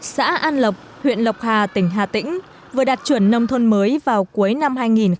xã an lộc huyện lộc hà tỉnh hà tĩnh vừa đạt chuẩn nông thôn mới vào cuối năm hai nghìn một mươi tám